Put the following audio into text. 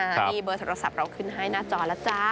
นี่เบอร์โทรศัพท์เราขึ้นให้หน้าจอแล้วจ้า